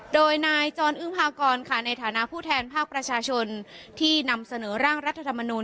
โดยนายจรอึ้งพากรค่ะในฐานะผู้แทนภาคประชาชนที่นำเสนอร่างรัฐธรรมนูล